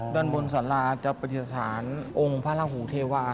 ด้านบนศาลาจะปฏิสรรค์องค์พระหูเทวา